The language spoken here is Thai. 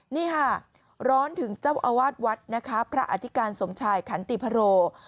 นี่ค่ะร้อนถึงเจ้าอาวาสวัดนะคะพระอธิการสมชายขันติพโร